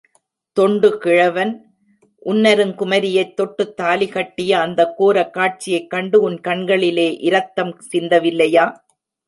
தொண்டு கிழவன் உன்னருங் குமரியைத் தொட்டுத் தாலிகட்டிய அந்தக் கோரக் காட்சியைக்கண்டு உன் கண்களிலே இரத்தம் சிந்தவில்லையா?